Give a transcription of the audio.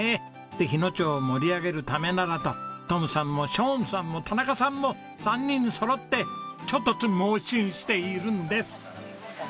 で日野町を盛り上げるためならとトムさんもショーンさんも田中さんも３人そろって猪突猛進しているんです。